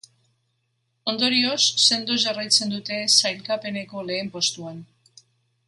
Ondorioz, sendo jarraitzen dute sailkapeneko lehen postuan.